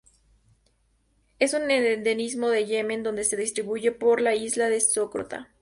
Es un endemismo de Yemen donde se distribuye por la isla de Socotra.